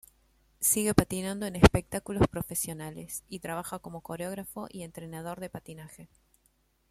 Sigue patinando en espectáculos profesionales y trabaja como coreógrafo y entrenador de patinaje.